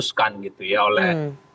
tentu ini titik terakhir dengan marc maders